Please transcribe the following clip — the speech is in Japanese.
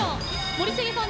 森重さん